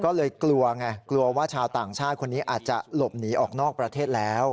ก็เลยกลัวไงกลัวว่าชาวต่างชาติคนนี้อาจจะหลบหนีออกนอกประเทศแล้ว